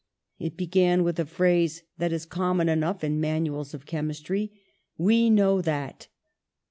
It began with a phrase that is common enough in manuals of chemistry : 'We know that